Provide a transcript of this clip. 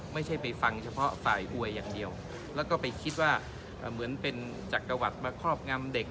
ไม่ใช่ไปฟังเฉพาะฝ่ายอวยอย่างเดียวแล้วก็ไปคิดว่าเหมือนเป็นจักรวรรดิมาครอบงำเด็ก